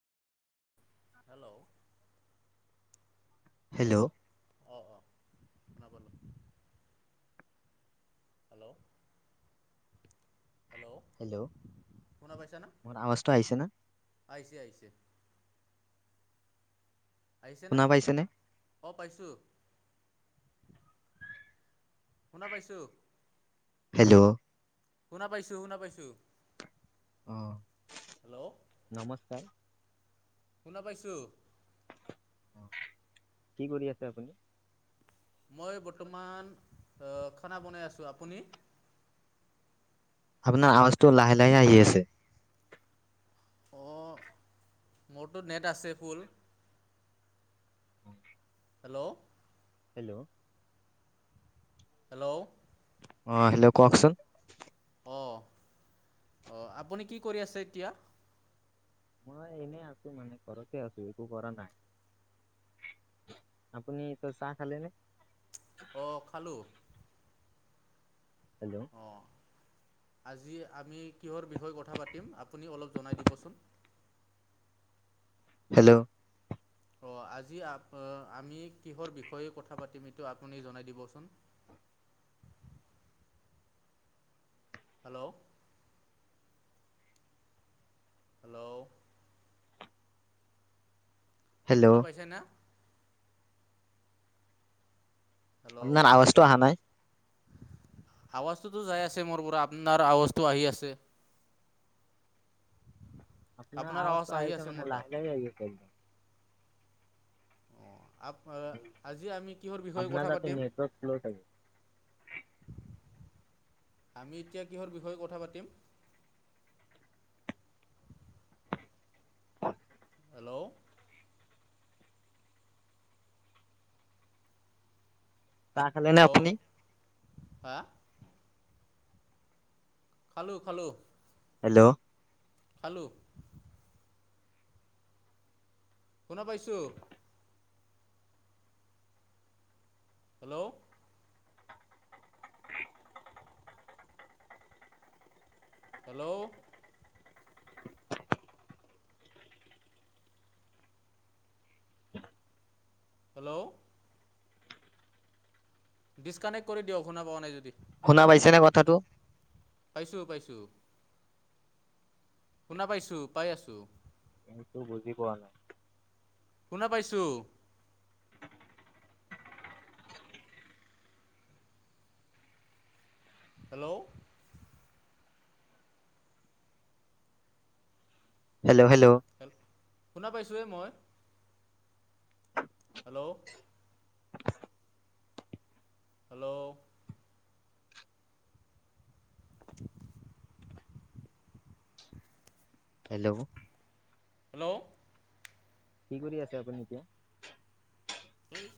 Hello hello অ', অ', শুনা পালোঁ। হেল্ল'? হেল্ল' শুনা পাইছানা মোৰ আৱাজটো আহিছে না? আহিছে আহিছে। আহিছে না? শুনা পাইছেনে অ', পাইছোঁ শুনা পাইছোঁ। হেল্ল' শুনা পাইছোঁ শুনা পাইছোঁ অ হেল্ল' নমস্কাৰ শুনা পাইছোঁ কি কৰি আছে আপুনি? মই বৰ্তমান আ খানা বনাই আছোঁ, আপুনি? আপোনাৰ আৱাজটো লাহে লাহে আহি আছে অঁ মোৰতো নেট আছে ফুল হেল্ল' হেল্ল' হেল্ল' অ হেল্ল কওকচোন অ অ আপুনি কি কৰি আছে এতিয়া? মই এনেই আছো মানে ঘৰতে আছো একো কৰা নাই আপুনি চাহ খালে নে? অ খালোঁ হেল্ল' অঁ আজি আমি কিহৰ বিষয়ে কথা পাতিম আপুনি অলপ জনাই দিবচোন হেল্ল' অ আজি আ আমি কিহৰ বিষয়ে কথা পাতিম এইটো আপুনি জনাই দিবচোন হেল্ল' হেল্ল' হেল্ল' শুনা পাইছে না? হেল্ল' আপোনাৰ আৱাজটো অহা নাই আৱাজটোতো যাই আছে মোৰ পোৰা আপনাৰ আৱাজটো আহি আছে আপোনাৰ আৱাজ আৱাজটো আহি আহিছে আছে মোৰ মানে তাত। লাহে লাহে আহি আছে আ আজি আমি কিহৰ বিষয়ে আপোনাৰ কথা তাতে পাতিম? নেটৱৰ্ক শ্ল' থাকে আমি এতিয়া কিহৰ বিষয়ে কথা পাতিম [unintelligible] হেল্ল' চাহ খালে নে হেল্ল' আপুনি হা খালোঁ খালোঁ হেল্ল' খালোঁ শুনা পাইছোঁ। Hello hello. হেল্ল ডিছকানেক্ট কৰি দিয়ক শুনা পোৱা নাই যদি। শুনা পাইছা নে কথাটো। পাইছোঁ পাইছোঁ। শুনা পাইছোঁ পাই আছোঁ। কিন্তু বুজি পোৱা নাই শুনা পাইছোঁ। হেল্ল'। Hello hello. হেল্ল শুনা পাইছোঁৱে মই হেল্ল'। হেল্ল'। [inaudible] হেল্ল'। হেল্ল'। কি কৰি আছে আপুনি এতিয়া। হেই